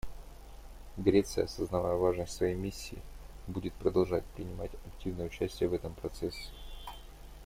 Греция, осознавая важность своей миссии, будет продолжать принимать активное участие в этом процессе.